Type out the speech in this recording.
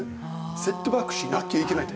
セットバックしなきゃいけないって。